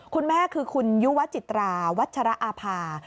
คุณแม่คือคุณยุวจิตราวัชระอาภา